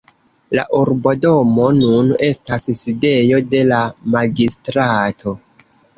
La urbodomo nun estas sidejo de la magistrato.